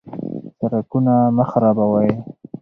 سرکونه مه خرابوئ.